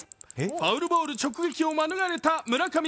ファウルボール直撃を免れた村上。